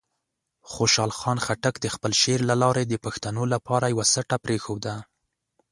خوشحال خان خټک د خپل شعر له لارې د پښتنو لپاره یوه سټه پرېښوده.